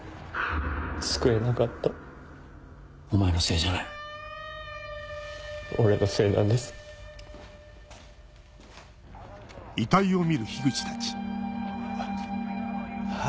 救えなかったお前のせいじゃない俺のせいなんですおい。